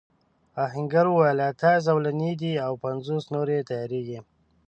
آهنګر وویل اتيا زولنې دي او پنځوس نورې تياریږي.